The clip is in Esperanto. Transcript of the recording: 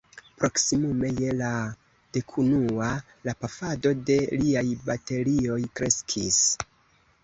Proksimume je la dekunua, la pafado de liaj baterioj kreskis.